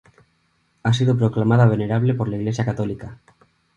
Ha sido proclamada venerable por la Iglesia católica.